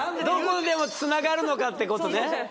どこでもつながるのかってことね